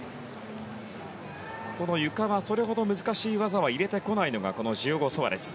このゆかは、それほど難しい技は入れてこないのがこのジオゴ・ソアレス。